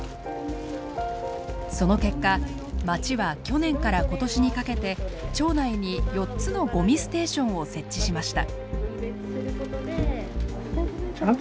その結果まちは去年から今年にかけて町内に４つのごみステーションを設置しました。